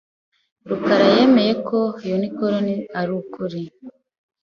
rukarayemera ko unicorn ari ukuri.